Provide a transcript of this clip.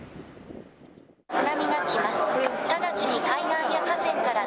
津波が来ます。